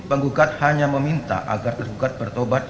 penggugat hanya meminta agar tergugat bertobat